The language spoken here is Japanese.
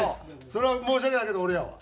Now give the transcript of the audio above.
それは申し訳ないけど俺やわ。